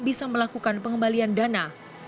bisa melakukan pengembalian dana